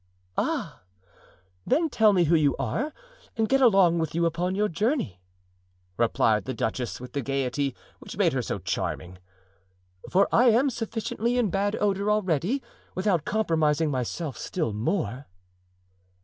"Ah! then tell me who you are, and get along with you upon your journey," replied the duchess, with the gayety which made her so charming, "for I am sufficiently in bad odor already, without compromising myself still more."